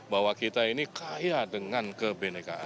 bahwa kita ini kaya dengan kebenekan kita